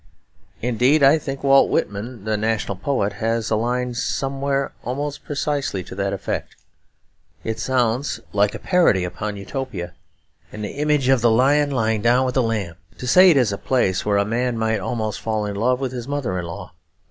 Indeed, I think Walt Whitman, the national poet, has a line somewhere almost precisely to that effect. It sounds like a parody upon Utopia, and the image of the lion lying down with the lamb, to say it is a place where a man might almost fall in love with his mother in law.